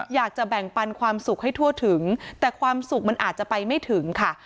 อยากจะแบ่งปันความสุขให้ทั่วถึงแต่ความสุขมันอาจจะไปไม่ถึงค่ะ